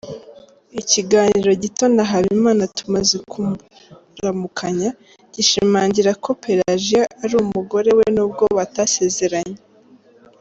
Ikiganiro gito na Habimana tumaze kuramukanya gishimangira ko Pelajiya ari umugore we nubwo batasezeranye.